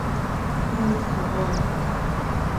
خدای څخه غواړم.